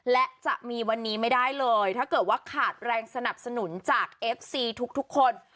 และจะมีวันนี้ไม่ได้เลยถ้าเกิดว่าขาดแรงสนับสนุนจากเอฟซีทุกคน